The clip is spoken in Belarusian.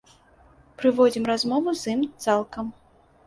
Прыводзім размову з ім цалкам.